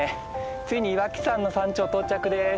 ついに岩木山の山頂到着です。